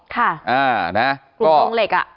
กลุ่มโรงเหล็ก